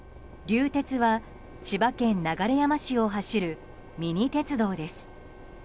流鉄は、千葉県流山市を走るミニ鉄道です。